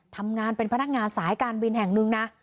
ทำงานเป็นพนักงานสายการบินแห่งหนึ่งนะ